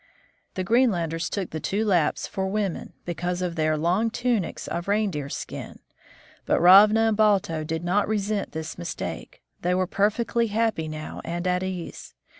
The Greenlanders took the two Lapps for women, be cause of their long tunics of reindeer skin. But Ravna and Balto did not resent this mistake ; they were perfectly happy now and at ease.